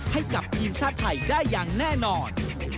ให้กับทีมชาติไทยได้อย่างแน่นอน